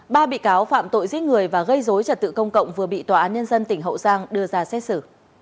ba bị cáo phạm tội giết người và gây dối trật tự công cộng vừa bị tòa án nhân dân tỉnh hậu giang đưa ra xét xử